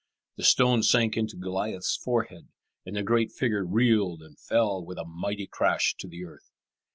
The stone sank into Goliath's forehead, and the great figure reeled and fell with a mighty crash to the earth.